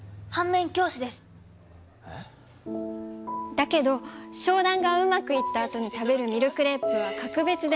だけど商談がうまくいったあとに食べるミルクレープは格別で。